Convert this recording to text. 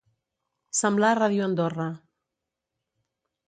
Semblar Ràdio Andorra.